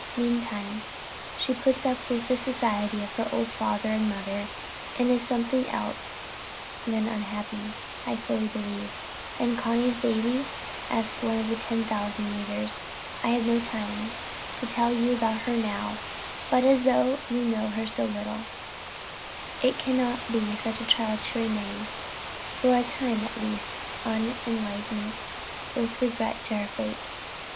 Meantime she puts up with the society of her old father and mother, and is something else than unhappy, I fully believe. "And Connie's baby?" asks some one out of ten thousand readers. I have no time to tell you about her now; but as you know her so little, it cannot be such a trial to remain, for a time at least, unenlightened with regard to her _fate.